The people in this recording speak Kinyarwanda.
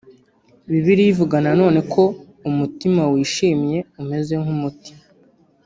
Bibiliya ivuga na none ko umutima wishimye umeze nk’umuti